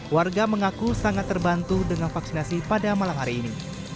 warga mengaku sangat terbantu dengan vaksinasi pada malam hari ini